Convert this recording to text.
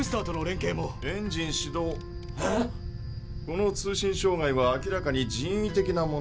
この通信障害は明らかに人為的なものだよ。